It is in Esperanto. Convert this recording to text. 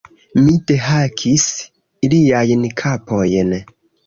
Mi dehakis iliajn kapojn!